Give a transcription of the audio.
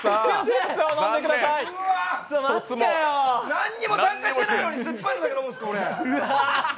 何にも参加してないのに、酸っぱいのだけ飲むんですか！？